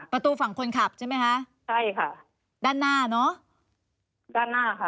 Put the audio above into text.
ประตูฝั่งคนขับใช่ไหมคะใช่ค่ะด้านหน้าเนอะด้านหน้าค่ะ